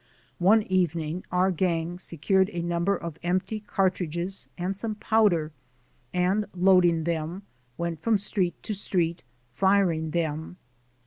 One evening our gang secured a number of empty cartridges and some powder, and loading them, went from street to street firing them.